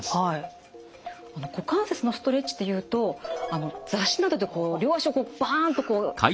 股関節のストレッチっていうと雑誌などで両足をバンとこうねっ。